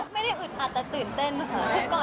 ไม่ได้อึดหัดแต่ตื่นเต้นค่ะ